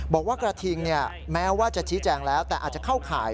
บอกว่ากระทิงแม้ว่าจะชี้แจงแล้วแต่อาจจะเข้าข่าย